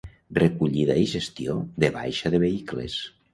recollida i gestió de baixa de vehicles